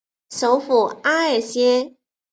首府阿贝歇。